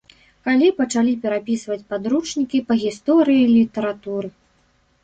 Калі пачалі перапісваць падручнікі па гісторыі й літаратуры.